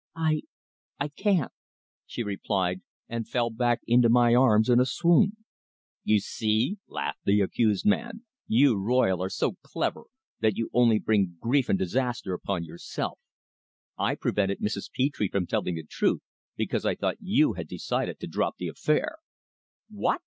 "I I can't!" she replied, and fell back into my arms in a swoon. "You see!" laughed the accused man. "You, Royle, are so clever that you only bring grief and disaster upon yourself. I prevented Mrs. Petre from telling the truth because I thought you had decided to drop the affair." "What?"